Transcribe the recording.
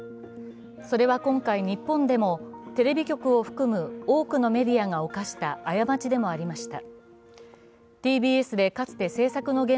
それは今回、日本でもテレビ局を含む多くのメディアが犯した過ちでもありました。